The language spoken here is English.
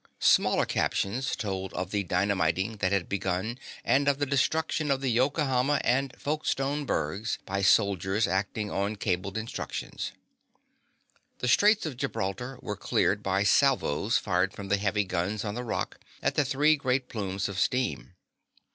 Smaller captions told of the dynamiting that had begun and of the destruction of the Yokohama and Folkestone bergs by soldiers acting on cabled instructions. The Straits of Gibraltar were cleared by salvos fired from the heavy guns on the Rock at the three great plumes of steam.